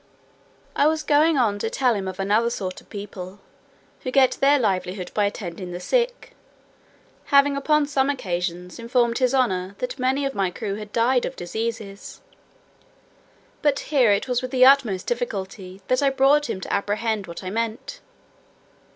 I was going on to tell him of another sort of people, who get their livelihood by attending the sick, having, upon some occasions, informed his honour that many of my crew had died of diseases. But here it was with the utmost difficulty that I brought him to apprehend what I meant.